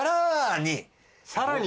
さらに？